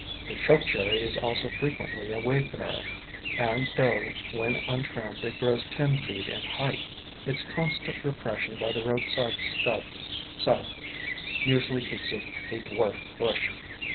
The Choke Cherry is also frequently a wayfarer, and though, when untrimmed, it grows ten feet in height, its constant repression by the roadside stub scythe usually keeps it a dwarf bush.